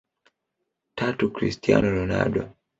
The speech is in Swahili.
Tatu Christiano Ronaldo